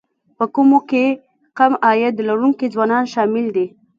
په کومو کې کم عاید لرونکي ځوانان شامل دي